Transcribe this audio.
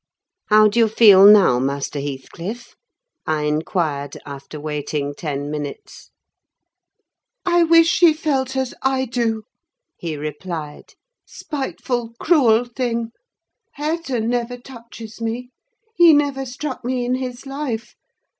"How do you feel now, Master Heathcliff?" I inquired, after waiting ten minutes. "I wish she felt as I do," he replied: "spiteful, cruel thing! Hareton never touches me: he never struck me in his life.